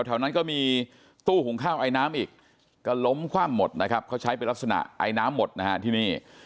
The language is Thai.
แถวนั้นก็มีตู้หุงข้าวไอน้ำอีกก็ล้มคว่ำหมดนะครับเขาใช้เป็นลักษณะไอน้ำหมดนะฮะที่นี่